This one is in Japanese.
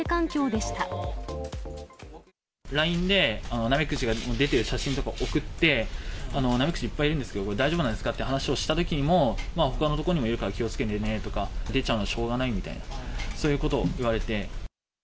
ＬＩＮＥで、ナメクジが出ている写真とかを送って、ナメクジいっぱいいるんですけど、これ大丈夫なんですかっていう話をしたときにも、ほかのところにもいるから気をつけてねとか、出ちゃうのはしょうがないみたいな、そういうことを言われて。